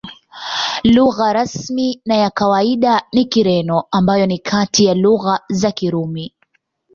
Lugha rasmi na ya kawaida ni Kireno, ambayo ni kati ya lugha za Kirumi.